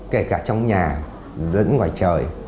kể cả trong nhà vẫn ngoài trời